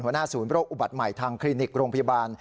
หัวหน้าศูนย์โรคอุบัติใหม่ทางคลินิกโรงพยาบาล